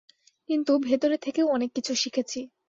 কিন্তু, ভেতরে থেকেও অনেক কিছু শিখেছি।